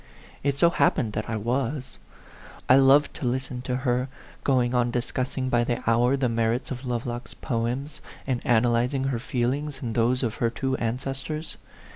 It so happened that I was. I loved to listen to her, going on discussing by the hour the merits of Lovelock's poems, and analyzing her feelings and those of her two ancestors.